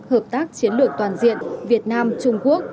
hợp tác chiến lược toàn diện việt nam trung quốc